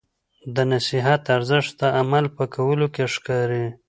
د نصیحت ارزښت د عمل په کولو کې ښکاري.